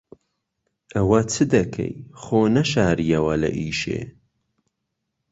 ئەوە چ دەکەی؟ خۆ نەشارییەوە لە ئیشێ.